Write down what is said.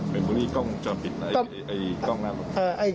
เป็นพวกนี้กล้องมุมจรปิดไอ้กล้องน้ำ